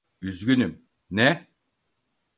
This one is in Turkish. Üzgünüm, ne?